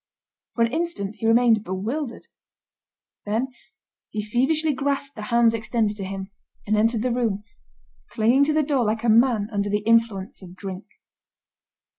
For an instant he remained bewildered. Then he feverishly grasped the hands extended to him, and entered the room, clinging to the door like a man under the influence of drink.